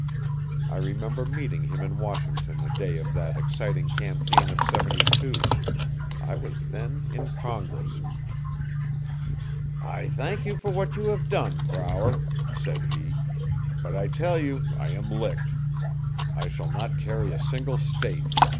I remember meeting him in Washington a day of that exciting campaign of '72. I was then in Congress. 'I thank you for what you have done, Brower,' said he, 'but I tell you I am licked. I shall not carry a single state.